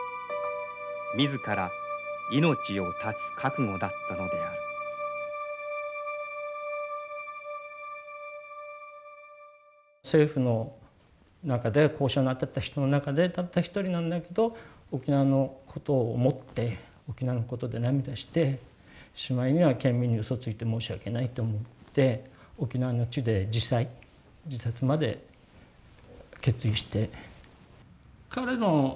自ら命を絶つ覚悟だったのである政府の中で交渉に当たった人の中でたった一人なんだけど沖縄のことを思って沖縄のことで涙してしまいには県民にうそついて申し訳ないと思って沖縄の地で自裁自殺まで決意して。